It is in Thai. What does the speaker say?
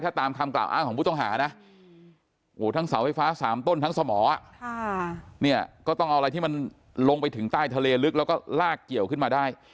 ถ้าตามคำกล่าวอ้างของผู้ต้องหานะทั้งเสาไฟฟ้า๓ต้นทั้งสมอเนี่ยก็ต้องเอาอะไรที่มันลงไปถึงใต้ทะเลลึกแล้วก็ลากเกี่ยวขึ้นมาได้